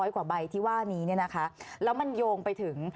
๑๕๐๐กว่าใบที่ว่านี้แล้วมันโยงไปถึง